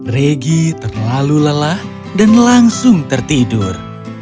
regi terlalu lelah dan langsung tertidur